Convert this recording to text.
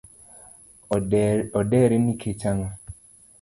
Odere nikech ang’o?